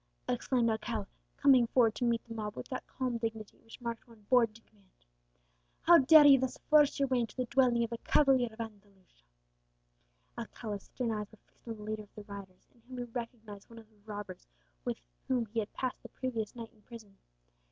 exclaimed Alcala, coming forward to meet the mob with that calm dignity which marked one born to command. "How dare ye thus force your way into the dwelling of a cavalier of Andalusia?" Alcala's stern eyes were fixed on the leader of the rioters, in whom he recognized one of the robbers with whom he had passed the previous night in prison.